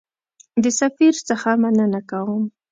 د سفیر څخه مننه کوم.